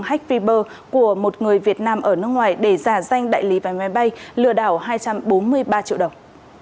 hatch fever của một người việt nam ở nước ngoài để giả danh đại lý và máy bay lừa đảo hai trăm bốn mươi ba triệu đồng